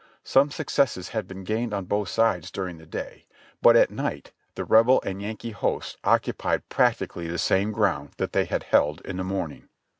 Some successes had been gained on both sides during the day, but at night the Rebel and Yankee hosts occupied practically the same ground that they had held in the morning.